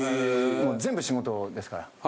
もう全部仕事ですから。